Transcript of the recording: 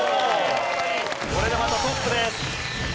これでまたトップです。